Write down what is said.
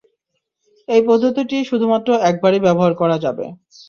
এই পদ্ধতিটি শুধুমাত্র একবারই ব্যবহার করা যাবে।